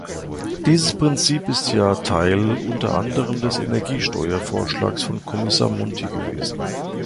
Dieses Prinzip ist ja Teil unter anderem des Energiesteuervorschlags von Kommissar Monti gewesen.